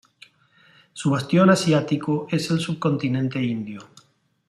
Su bastión asiático es el subcontinente indio.